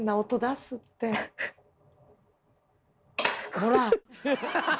ほら！